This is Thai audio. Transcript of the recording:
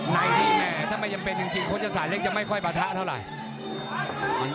ในที่แม่ถ้าไม่จำเป็นจริงโฆษศาสเล็กจะไม่ค่อยปะทะเท่าไหร่